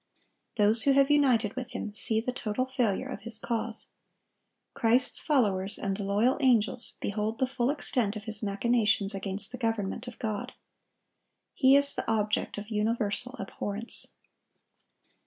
Those who have united with him see the total failure of his cause. Christ's followers and the loyal angels behold the full extent of his machinations against the government of God. He is the object of universal abhorrence.